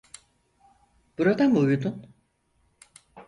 Burada mı uyudun?